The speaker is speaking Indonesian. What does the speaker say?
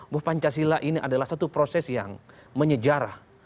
bahwa pancasila ini adalah satu proses yang menyejarah